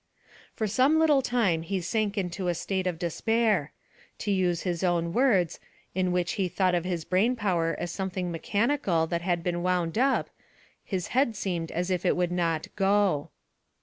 For some little time he sank into a state of despair. To use his own words, in which he thought of his brain power as something mechanical that had been wound up, his head seemed as if it would not "go."